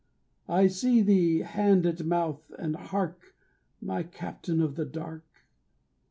I see thee, hand at mouth, and hark, My captain of the dark.